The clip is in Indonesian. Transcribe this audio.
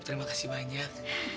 terima kasih banyak